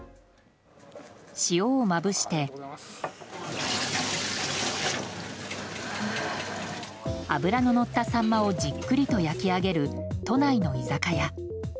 塩をまぶして脂の乗ったサンマをじっくりと焼き上げる都内の居酒屋。